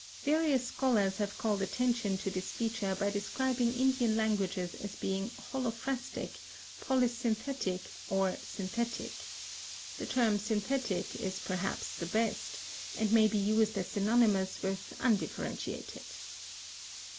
Various scholars have called attention to this feature by describing Indian languages as being holophrastic, polysynthetic, or synthetic. The term synthetic is perhaps the best, and may be used as synonymous with undifferentiated.